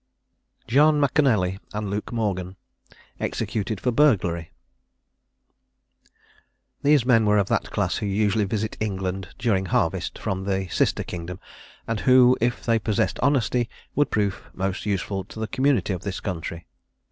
JOHN M'CANELLY AND LUKE MORGAN. EXECUTED FOR BURGLARY. These men were of that class who usually visit England during harvest, from the sister kingdom, and who, if they possessed honesty, would prove most useful to the community of this country.